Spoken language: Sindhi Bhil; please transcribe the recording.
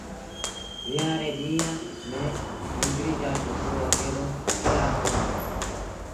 ويهآݩ ري ڏيݩهآݩ ميݩ ننگريٚ جآݩ ڇوڪرو اڪيلآ ڪوندآ وهيݩ